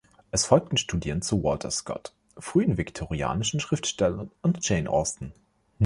Es folgten Studien zu Walter Scott, frühen viktorianischen Schriftstellern und Jane Austen.